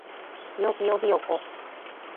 ぴよぴよひよこ